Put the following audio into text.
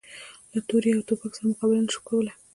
له تورې او توپک سره مقابله نه شو کولای.